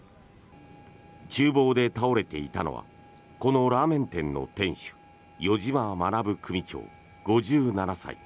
厨房で倒れていたのはこのラーメン店の店主余嶋学組長、５７歳。